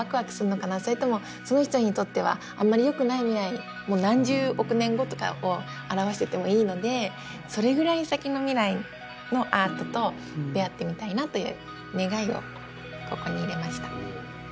それともその人にとってはあまりよくない未来もう何十億年後とかを表しててもいいのでそれぐらい先の未来のアートと出会ってみたいなという願いをここに入れました。